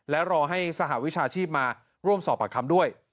และรอให้สหวิชาชีพมาร่วมสอบปากคำด้วย